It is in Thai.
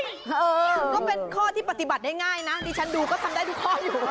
เออก็เป็นข้อที่ปฏิบัติได้ง่ายนะดิฉันดูก็ทำได้ทุกข้ออยู่